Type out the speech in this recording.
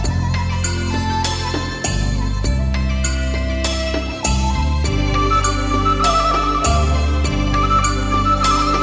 โชว์สี่ภาคจากอัลคาซ่าครับ